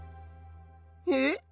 えっ？